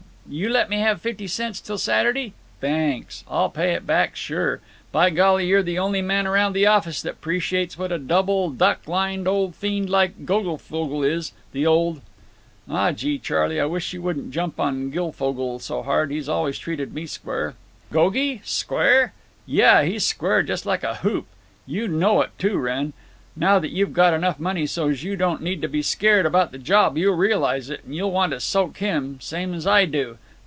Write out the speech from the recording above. you let me have fifty cents till Saturday? Thanks. I'll pay it back sure. By golly! you're the only man around the office that 'preciates what a double duck lined old fiend old Goglefogle is, the old—" "Aw, gee, Charley, I wish you wouldn't jump on Guilfogle so hard. He's always treated me square." "Gogie—square? Yuh, he's square just like a hoop. You know it, too, Wrenn. Now that you've got enough money so's you don't need to be scared about the job you'll realize it, and you'll want to soak him, same's I do.